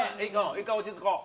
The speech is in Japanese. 一回落ち着こう。